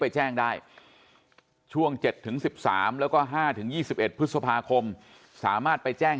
ไปแจ้งได้ช่วง๗๑๓แล้วก็๕๒๑พฤษภาคมสามารถไปแจ้ง